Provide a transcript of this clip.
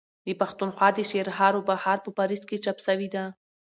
د پښتونخوا دشعرهاروبهار په پاريس کي چاپ سوې ده.